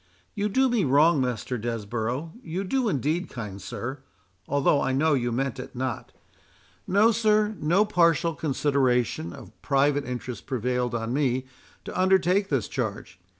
"You do me wrong, Master Desborough—you do indeed, kind sir—although I know you meant it not—No, sir—no partial consideration of private interest prevailed on me to undertake this charge.